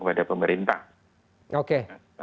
kepada pemerintah oke